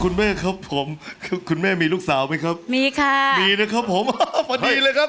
คุณแม่ครับผมคุณแม่มีลูกสาวไหมครับมีค่ะมีนะครับผมสวัสดีเลยครับ